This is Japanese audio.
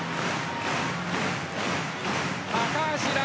高橋藍